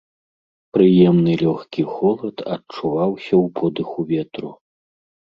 Прыемны лёгкі холад адчуваўся ў подыху ветру.